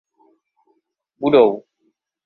Budou.